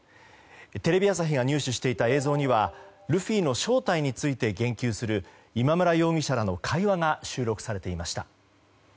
テレビ朝日が入手していた映像にはルフィの正体について言及する今村容疑者らの会話が収録されていました。